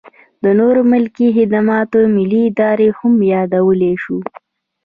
د نورو ملکي خدماتو ملي ادارې هم یادولی شو.